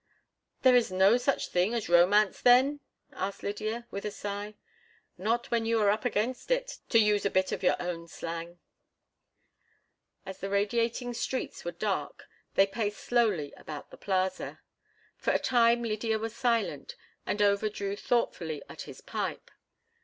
"There is no such thing as romance, then?" asked Lydia, with a sigh. "Not when you are 'up against it,' to use a bit of your own slang." As the radiating streets were dark they paced slowly about the plaza. For a time Lydia was silent, and Over drew thoughtfully at his pipe.